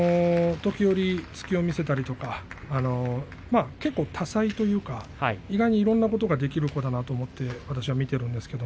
時折、突きを見せたり多彩というか、意外といろんなことができる子だなんだと思って私は見ているんです。